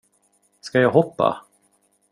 Ska jag hoppa?